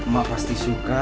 mak pasti suka